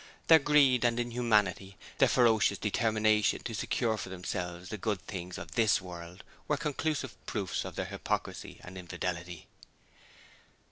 Their greed and inhumanity their ferocious determination to secure for themselves the good things of THIS world were conclusive proofs of their hypocrisy and infidelity.